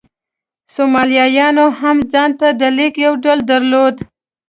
سومالیایانو هم ځان ته د لیک یو ډول درلود.